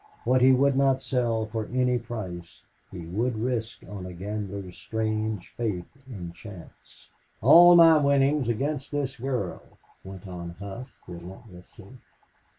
What he would not sell for any price he would risk on a gambler's strange faith in chance. "All my winnings against this girl," went on Hough, relentlessly.